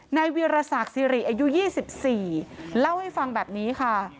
นายเวียระศักดิ์ซีรีส์อายุยี่สิบสี่เล่าให้ฟังแบบนี้ค่ะ